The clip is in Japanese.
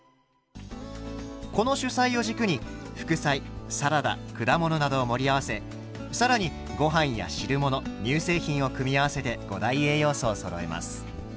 この主菜を軸に副菜サラダ果物などを盛り合わせ更にご飯や汁物乳製品を組み合わせて５大栄養素をそろえます。